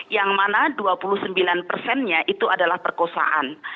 yang mana dua puluh sembilan persennya itu adalah perkosaan